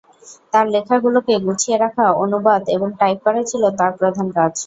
তাঁর লেখাগুলোকে গুছিয়ে রাখা, অনুবাদ এবং টাইপ করাই ছিল তাঁর প্রধান কাজ।